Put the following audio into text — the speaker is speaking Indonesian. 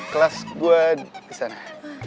kelas gue kesana